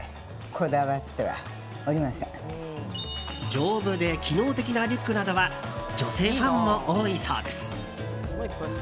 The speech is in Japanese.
丈夫で機能的なリュックなどは女性ファンも多いそうです。